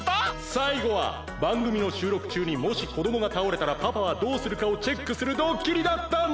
最後はばんぐみのしゅうろくちゅうにもしこどもがたおれたらパパはどうするかをチェックするドッキリだったんです。